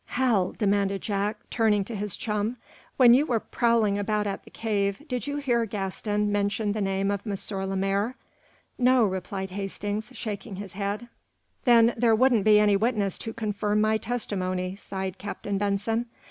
"Hal," demanded Jack, turning to his chum, "when you were prowling about at the cave, did you hear Gaston mention the name of M. Lemaire?" "No," replied Hastings, shaking his head. "Then there wouldn't be any witness to confirm my testimony," sighed Captain Benson.